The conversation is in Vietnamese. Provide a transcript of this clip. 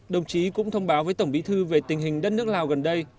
đồng chí cũng thông báo với tổng bí thư về tình hình đất nước lào gần đây